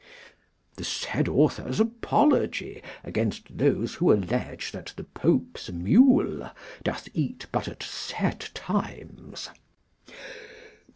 The said Author's Apology against those who allege that the Pope's mule doth eat but at set times.